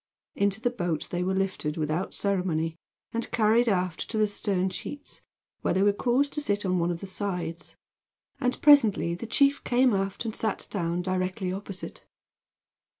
Into the boat they were lifted without ceremony, and carried aft to the stern sheets, where they were caused to sit on one of the sides; and presently the chief came aft and sat down directly opposite.